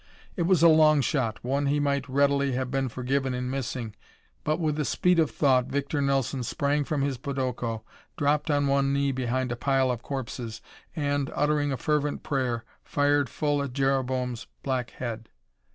It was a long shot, one he might readily have been forgiven in missing but with the speed of thought Victor Nelson sprang from his podoko, dropped on one knee behind a pile of corpses and, uttering a fervent prayer, fired full at Jereboam's black head.